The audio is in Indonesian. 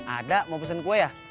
ada mau pesen kue ya